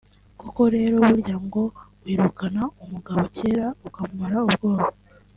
Koko rero burya ngo “wirukana umugabo cyera ukamumara ubwoba